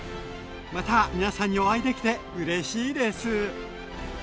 また皆さんにお会いできてうれしいです！